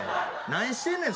何してんねん？